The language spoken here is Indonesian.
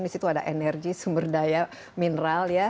disitu ada energi sumber daya mineral ya